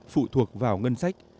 phụ thuộc vào ngân sách